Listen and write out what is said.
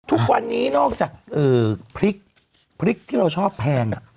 ทุกวันนี้นอกจากเอ่อพริกพริกที่เราชอบแพงอ่ะ